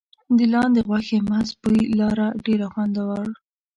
د لاندي غوښې مست بوی لاره ډېر خوندور.